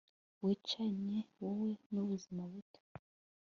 wicanye, wowe nubuzima buto